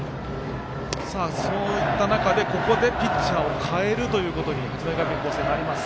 そういった中で、ここでピッチャーをかえるということに八戸学院光星なります。